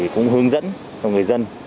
cũng hướng dẫn cho người dân